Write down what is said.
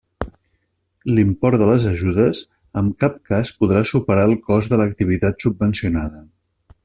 L'import de les ajudes en cap cas podrà superar el cost de l'activitat subvencionada.